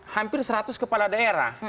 hampir seratus kepala daerah